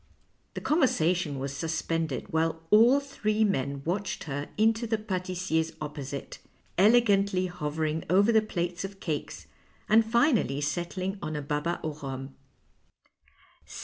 The conversation was suspended while all three men watched her into the patissier's opposite, elegantly hovering over the plates of cakes, and finally settling on a baba an rhum.